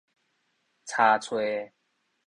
查揣